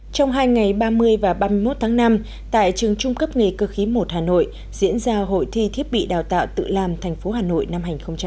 trong hai ngày ba mươi và ba mươi một tháng năm tại trường trung cấp nghề cơ khí một hà nội diễn ra hội thi thiết bị đào tạo tự làm thành phố hà nội năm hai nghìn hai mươi